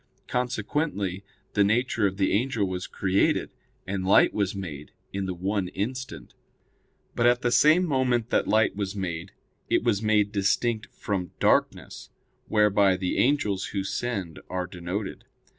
Consequently, the nature of the angel was created, and light was made, in the one instant. But at the same moment that light was made, it was made distinct from "darkness," whereby the angels who sinned are denoted.